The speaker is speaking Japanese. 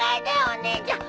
お姉ちゃん。